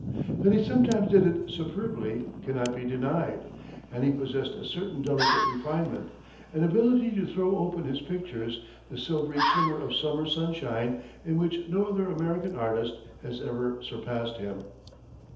That he sometimes did it superbly cannot be denied, and he possessed a certain delicate refinement, an ability to throw upon his pictures the silvery shimmer of summer sunshine, in which no other American artist has ever surpassed him.